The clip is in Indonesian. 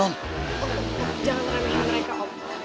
om om om jangan remeh remeh mereka om